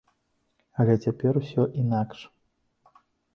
Але цяпер усё інакш.